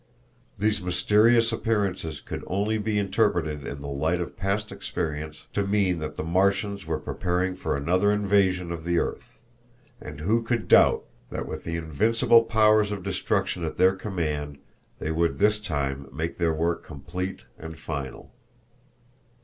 These mysterious appearances could only be interpreted in the light of past experience to mean that the Martians were preparing for another invasion of the earth, and who could doubt that with the invincible powers of destruction at their command they would this time make their work complete and final?